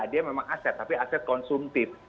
dia memang aset tapi aset konsumtif